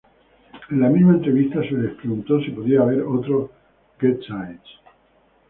En la misma entrevista, se les preguntó si podía haber otro "G-Sides".